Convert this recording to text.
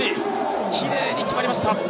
きれいに決まりました。